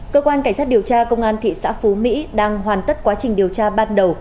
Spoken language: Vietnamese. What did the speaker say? cơ quan cảnh sát điều tra công an thị xã phú mỹ đang hoàn tất quá trình điều tra ban đầu